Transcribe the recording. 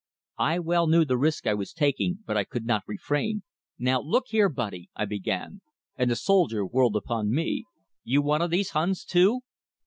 I well knew the risk I was taking, but I could not refrain. "Now, look here, buddy!" I began; and the soldier whirled upon me. "You one of these Huns, too?"